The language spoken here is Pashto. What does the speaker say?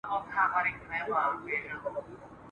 خو چي دواړي هیلۍ سوې هواته پورته !.